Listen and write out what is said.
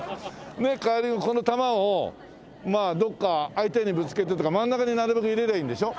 カーリングこの球をどこか相手にぶつけてとか真ん中になるべく入れりゃいいんでしょ？